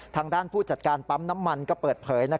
ทางด้านผู้จัดการปั๊มน้ำมันก็เปิดเผย